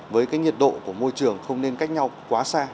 với cái nhiệt độ của môi trường không nên cách nhau quá xa